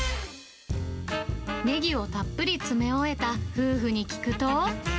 ネギをたっぷり詰め終えた夫婦に聞くと。